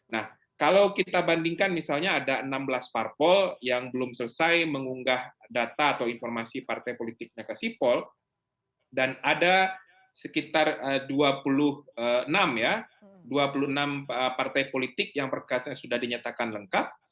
nah kalau kita bandingkan misalnya ada enam belas parpol yang belum selesai mengunggah data atau informasi partai politiknya ke sipol dan ada sekitar dua puluh enam ya dua puluh enam partai politik yang sudah dinyatakan lengkap